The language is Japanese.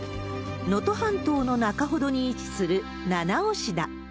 能登半島の中ほどに位置する七尾市だ。